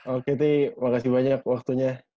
oke tih makasih banyak waktunya